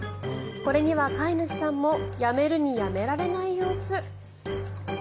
これには飼い主さんもやめるにやめられない様子。